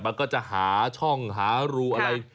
มันก็จะหาช่องหารูอะไร